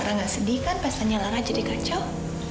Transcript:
lara gak sedih kan pas tanya lara jadi kacau